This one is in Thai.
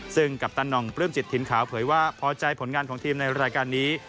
ซึ่งกัปตันนองปลื้มจิตถิ่นขาวเผยว่าพอใจผลงานของทีมในรายการนี้